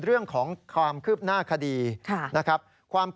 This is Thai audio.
และอาจจะมีบางรายเข้าขายช่อกงประชาชนเพิ่มมาด้วย